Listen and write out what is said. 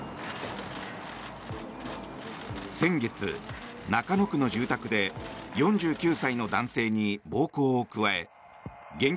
先月、中野区の住宅で４９歳の男性に暴行を加え現金